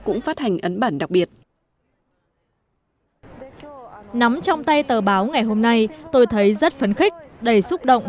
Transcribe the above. cũng phát hành ấn bản đặc biệt nắm trong tay tờ báo ngày hôm nay tôi thấy rất phấn khích đầy xúc động